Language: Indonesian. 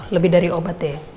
lebih dari obat ya